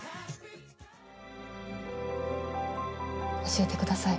「教えてください。